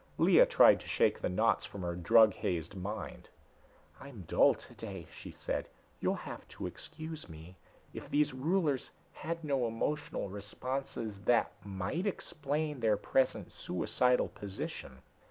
Lea tried to shake the knots from her drug hazed mind. "I'm dull today," she said. "You'll have to excuse me. If these rulers had no emotional responses, that might explain their present suicidal position.